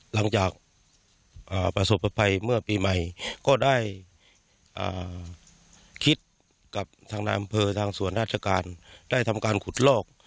หลังจากประสบภัยเมื่อปีใหม่ก็ได้คิดกับทางนายอำเภอทางส่วนราชการได้ทำการขุดลอก